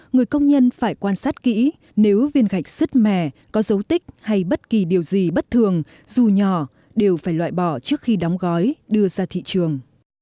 người công nhân phải quan sát kỹ nếu viên gạch xứt mè có dấu tích hay bất kỳ điều gì bất thường dù nhỏ đều phải loại bỏ trước khi đóng gói đưa ra thị trường